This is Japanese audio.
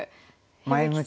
前向きな。